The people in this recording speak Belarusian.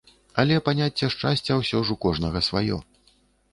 Але паняцце шчасця ўсё ж у кожнага сваё.